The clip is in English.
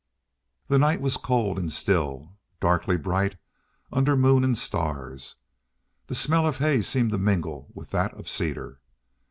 The night was cold and still, darkly bright under moon and stars; the smell of hay seemed to mingle with that of cedar.